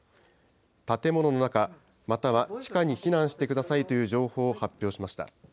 建物の中、または地下に避難してくださいという情報を発表しました。